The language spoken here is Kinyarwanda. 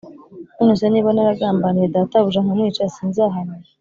None se niba naragambaniye databuja nkamwica sinzahanwa